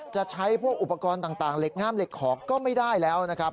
จะใช้พวกอุปกรณ์ต่างเหล็กงามเหล็กขอก็ไม่ได้แล้วนะครับ